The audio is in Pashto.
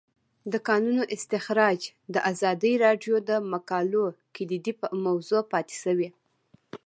د کانونو استخراج د ازادي راډیو د مقالو کلیدي موضوع پاتې شوی.